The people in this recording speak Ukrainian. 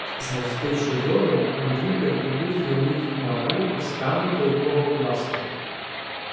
Змастивши йодом, Андрій прикріпив на ній марлю пасками клейкого пластиру.